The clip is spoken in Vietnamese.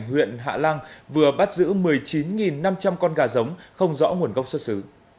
huyện hạ lăng vừa bắt giữ một mươi chín năm trăm linh con gà giống không rõ nguồn gốc xuất xứ